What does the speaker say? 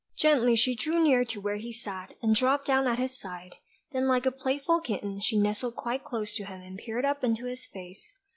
Gently she drew near to where he sat, and dropped down at his side then like a playful kitten she nestled quite close to him and peered up into his face.